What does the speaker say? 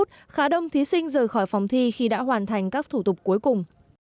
chín h bốn mươi năm khá đông thí sinh rời khỏi phòng thi khi đã hoàn thành các thủ tục cuối cùng